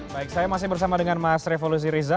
baik saya masih bersama dengan mas revo lusiriza